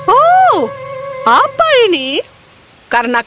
oh apa ini karena kau tahu